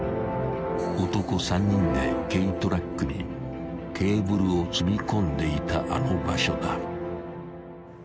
［男３人で軽トラックにケーブルを積み込んでいたあの場所だ］